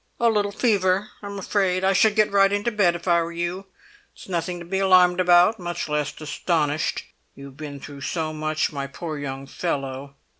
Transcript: "A little fever, I'm afraid! I should get right into bed, if I were you. It's nothing to be alarmed about, much less astonished; you have been through so much, my poor young fellow."